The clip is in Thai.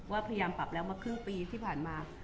พยายามปรับแล้วมาครึ่งปีที่ผ่านมา